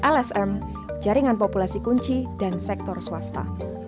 lsm jaringan populasi kunci dan sektor swasta